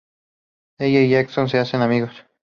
Ella y Jackson se hacen amigos.